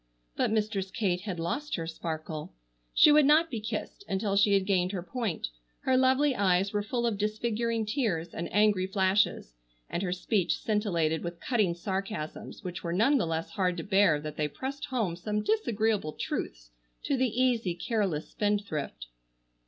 But Mistress Kate had lost her sparkle. She would not be kissed until she had gained her point, her lovely eyes were full of disfiguring tears and angry flashes, and her speech scintillated with cutting sarcasms, which were none the less hard to bear that they pressed home some disagreeable truths to the easy, careless spendthrift.